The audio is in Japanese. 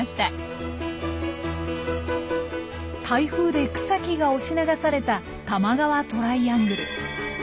台風で草木が押し流された多摩川トライアングル。